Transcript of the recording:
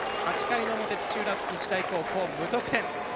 ８回の表、土浦日大高校、無得点。